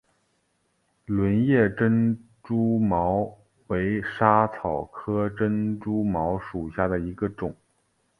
轮叶珍珠茅为莎草科珍珠茅属下的一个种。